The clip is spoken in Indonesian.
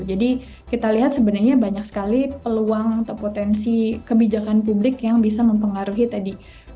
jadi kita lihat sebenarnya banyak sekali peluang atau potensi kebijakan publik yang bisa mempengaruhi tadi